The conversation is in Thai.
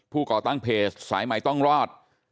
ก่อตั้งเพจสายใหม่ต้องรอด